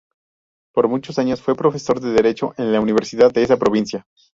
Por muchos años fue profesor de derecho en la Universidad de esa provincia.